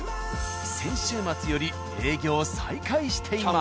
先週末より営業を再開しています。